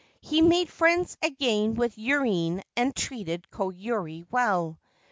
He made friends again with Yurine and treated Koyuri well.